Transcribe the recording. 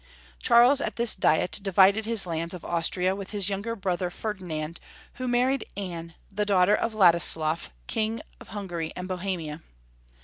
Charles at this Diet divided his lands of Austria with his younger brother Ferdinand, who married Anne, the daughter of Ladislaf, King of Himgary and Bohemia.